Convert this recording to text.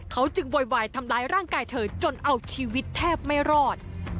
เขาจึงโวยวายทำร้ายร่างกายเธอจนเอาชีวิตแทบไม่รอด